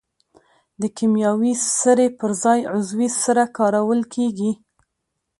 د کیمیاوي سرې پر ځای عضوي سره کارول کیږي.